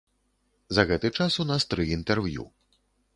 За гэты час у нас тры інтэрв'ю.